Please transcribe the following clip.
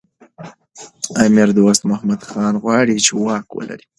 امیر دوست محمد خان غواړي چي واک ولري.